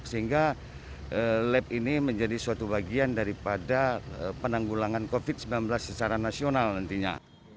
sehingga lab ini menjadi suatu bagian daripada penanggulangan covid sembilan belas secara nasional nantinya